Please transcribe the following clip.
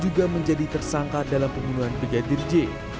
juga menjadi tersangka dalam pembunuhan brigadir j